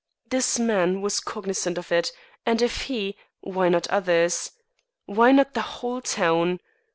This man was cognisant of it, and if he, why not others! Why not the whole town!